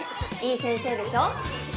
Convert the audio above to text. いい先生でしょ。